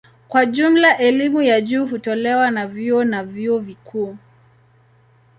Kwa jumla elimu ya juu hutolewa na vyuo na vyuo vikuu.